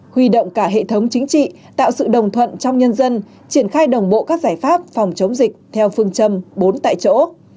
huy động cả hệ thống chính trị tạo sự đồng thuận trong nhân dân triển khai đồng bộ các giải pháp phòng chống dịch theo phương châm bốn tại chỗ